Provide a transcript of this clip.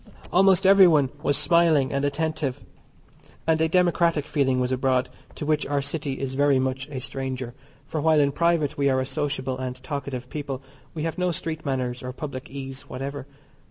Almost everyone was smiling and attentive, and a democratic feeling was abroad, to which our City is very much a stranger; for while in private we are a sociable and talkative people we have no street manners or public ease whatever.